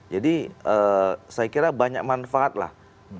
jadi saya kira banyak manfaat lah